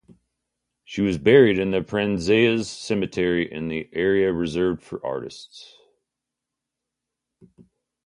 She was buried in the Prazeres Cemetery in the area reserved for artists.